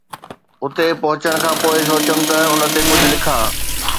اتي پهچڻ کان پوءِ سوچيم ته ان تي ڪجهه لکان